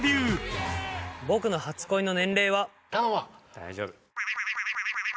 大丈夫。